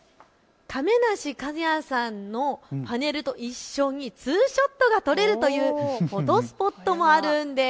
亀梨和也さんのパネルと一緒にツーショットが撮れるというフォトスポットもあるんです。